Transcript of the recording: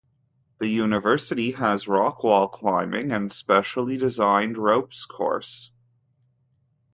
The university has rock wall climbing and specially designed ropes course.